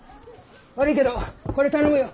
悪いけどこれ頼むよ。